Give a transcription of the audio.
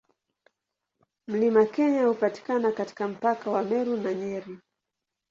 Mlima Kenya hupatikana katika mpaka wa Meru na Nyeri.